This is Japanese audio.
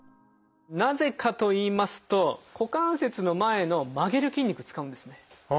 なぜかといいますと股関節の前の曲げる筋肉使うんですね。